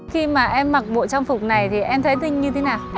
khi mà em mặc bộ trang phục này thì em thấy tinh như thế nào